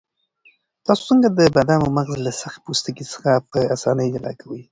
تاسو څنګه د بادامو مغز له سخت پوستکي څخه په اسانۍ جلا کوئ؟